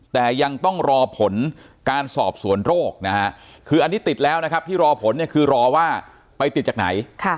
แต่ยังต้องรอผลการสอบสวนโรคนะฮะคืออันนี้ติดแล้วนะครับที่รอผลเนี่ยคือรอว่าไปติดจากไหน